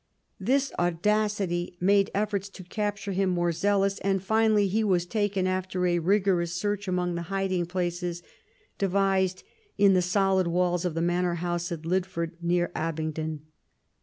This audacity made efforts to capture him more zealous, and finally he was taken after a rigorous search among the hiding places devised in the solid walls of the manor house at Lydford, near Abingdon.